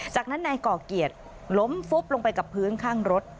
จากนั้นนายก่อเกียรติล้มฟุบลงไปกับพื้นข้างรถ